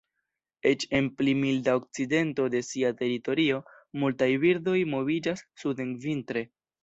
Eĉ en pli milda okcidento de sia teritorio, multaj birdoj moviĝas suden vintre.